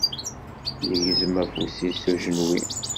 Yegzem afus-is s ujenwi.